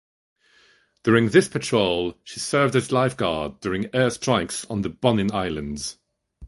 During this patrol, she served as lifeguard during air strikes on the Bonin Islands.